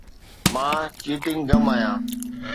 مان chewing gum آهيان.